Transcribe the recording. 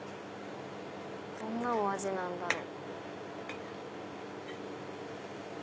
どんなお味なんだろう？